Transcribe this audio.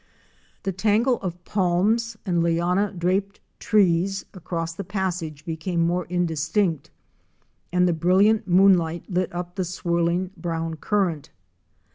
The tangle of palms and liana draped trees across the Passage became more indistinct and the brilliant moon light lit up the swirling brown current.